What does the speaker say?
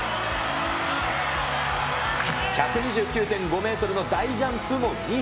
１２９．５メートルの大ジャンプも２位。